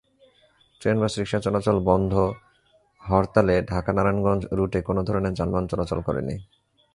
Train, বাস, রিকশা চলাচল বন্ধহরতালে ঢাকা-নারায়ণগঞ্জ রুটে কোনো ধরনের যানবাহন চলাচল করেনি।